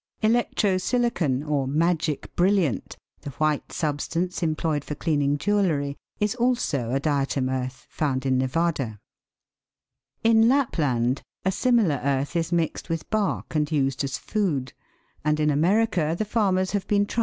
"Electro silicon" or "magic brilliant," the white sub stance employed for cleaning jewellery, is also a diatom earth found in Nevada. In Lapland a similar earth is mixed with bark and used as food, and in America the farmers have been trying it as * Rottenstone has a different origin.